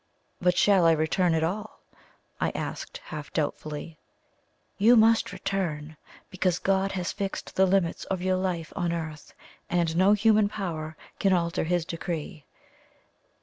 "But shall I return at all?" I asked half doubtfully. "You must return, because God has fixed the limits of your life on earth, and no human power can alter His decree.